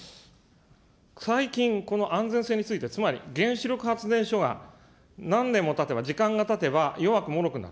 最近、この安全性について、つまり原子力発電所が何年もたてば、時間がたてば、弱くもろくなる。